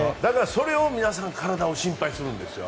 それを皆さん体を心配するんですよ。